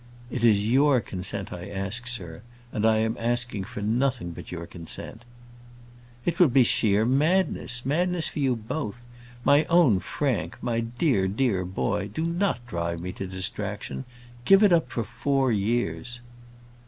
"It is your consent I ask, sir; and I am asking for nothing but your consent." "It would be sheer madness; madness for you both. My own Frank, my dear, dear boy, do not drive me to distraction! Give it up for four years."